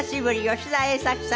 吉田栄作さん。